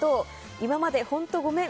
今まで本当ごめん。